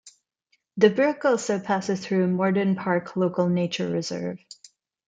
The brook also passes through Morden Park Local Nature Reserve.